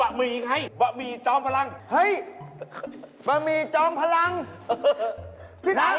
ทำไมมันให้เยอะเหรอ